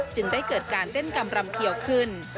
จึงได้เกิดการเต้นกำรำเขียวขึ้น